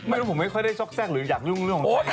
ไม่รู้ผมไม่ค่อยได้ซอกแทรกหรืออยากยุ่งเรื่องของใคร